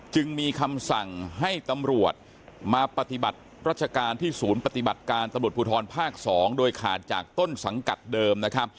จึงมีคำสั่งให้ตำรวจมาปฏิบัติรัชการที่ศูนย์ปฏิบัติการตำรวจภูทรภาค๒โดยขาดจากต้นสังกัดเดิมนะครับ